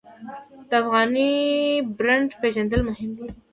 د افغاني برنډ پیژندل مهم دي